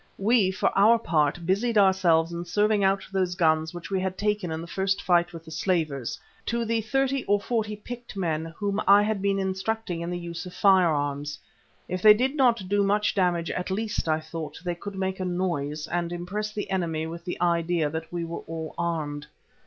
We, for our part, busied ourselves in serving out those guns which we had taken in the first fight with the slavers to the thirty or forty picked men whom I had been instructing in the use of firearms. If they did not do much damage, at least, I thought, they could make a noise and impress the enemy with the idea that we were well armed.